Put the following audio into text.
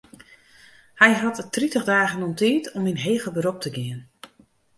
Hy hat it tritich dagen oan tiid om yn heger berop te gean.